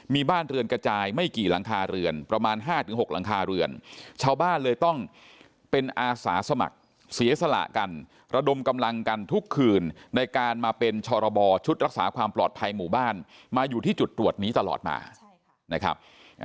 มีบ้านเรือนกระจายไม่กี่หลังคาเรือนประมาณ๕๖หลังคาเรือนชาวบ้านเลยต้องเป็นอาสาสมัครเสียสละกันระดมกำลังกันทุกคืนในการมาเป็นชรบชุดรักษาความปลอดภัยหมู่บ้านมาอยู่ที่จุดตรวจนี้ตลอดมานะครับ